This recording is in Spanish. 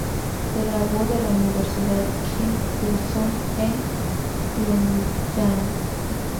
Se graduó de la Universidad Kim Il-sung en Pionyang.